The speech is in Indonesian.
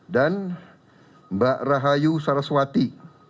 dan mbak rahayu saraswati